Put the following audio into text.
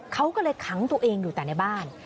เขาก็เลยขังตัวเองอยู่แต่ในบ้าน